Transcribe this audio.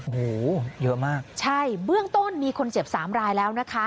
โอ้โหเยอะมากใช่เบื้องต้นมีคนเจ็บสามรายแล้วนะคะ